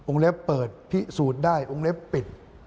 เล็บเปิดพิสูจน์ได้องค์เล็บปิด